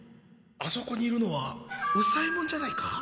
あそこにいるのは右左ヱ門じゃないか？